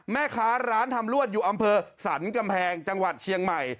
แม่ค้าร้านทำลวดอยู่อำเภอสรรกำแพงจังหวัดเชียงใหม่